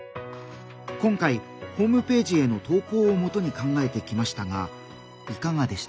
今回ホームページへの投稿をもとに考えてきましたがいかがでしたか？